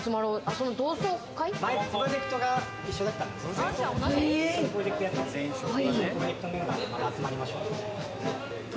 そのプロジェクトメンバーでまた集まりましょうって。